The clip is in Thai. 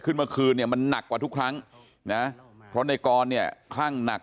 เมื่อคืนเนี่ยมันหนักกว่าทุกครั้งนะเพราะในกรเนี่ยคลั่งหนัก